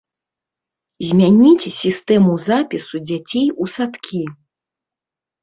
Змяніць сістэму запісу дзяцей у садкі.